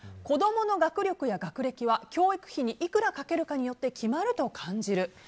子供の学力や学歴は教育費にいくらかけるかによって決まると感じる。